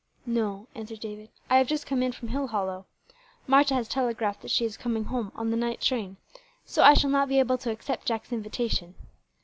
"No," answered David. "I have just come in from Hillhollow. Marta has telegraphed that she is coming home on the night train, so I shall not be able to accept Jack's invitation.